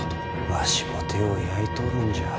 わしも手を焼いとるんじゃ。